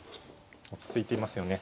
落ち着いていますよね。